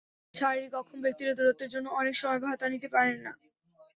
শারীরিক অক্ষম ব্যক্তিরা দূরত্বের জন্য অনেক সময় ভাতা নিতে পারেন না।